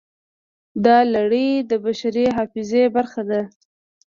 دا لړۍ د بشري حافظې برخه ده.